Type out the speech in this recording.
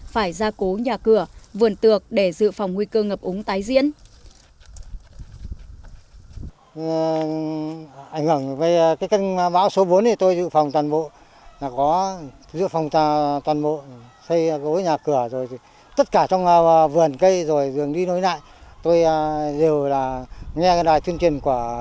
phải ra cố nhà cửa vườn tược để giữ phòng nguy cơ ngập úng tái diễn